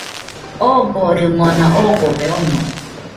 Ogorimona ogobe ono.